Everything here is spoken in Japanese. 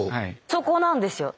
そこなんですよ。